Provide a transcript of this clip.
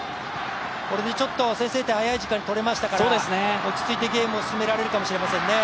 これでちょっと先制点早い時間に取れましたから、落ち着いてゲームを進められるかもしれませんね。